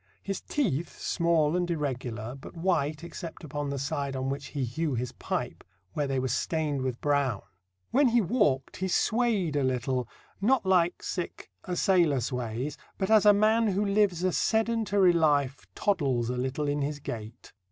His teeth, small and irregular, but white except upon the side on which he hew his pipe, where they were stained with brown. When he walked he swayed a little, not like a sailor sways, but as a man who lives a sedentary life toddles a little in his gait.